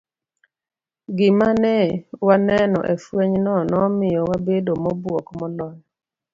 Gima ne waneno e fwenyno nomiyo wabedo mobuok moloyo.